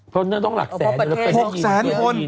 เพราะเราต้องหลักแสนนิดนึงหรือเป็นใจอีกทีไงอ่ะจริง